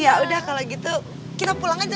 ya udah kalau gitu kita pulang aja